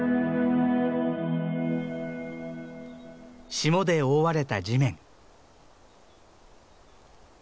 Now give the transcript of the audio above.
霜で覆われた地面。